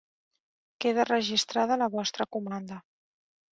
Queda registrada la vostra comanda.